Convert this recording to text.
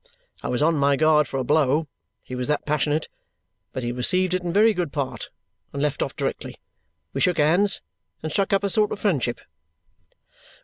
I was on my guard for a blow, he was that passionate; but he received it in very good part and left off directly. We shook hands and struck up a sort of friendship."